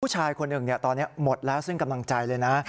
ผู้ชายคนหนึ่งตอนนี้หมดแล้วซึ่งกำลังใจเลยนะ